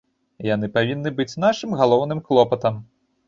Яны павінны быць нашым галоўным клопатам.